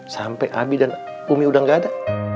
sampai abi dan umi udah gak ada